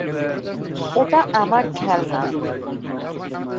ওটা আমার খেলনা।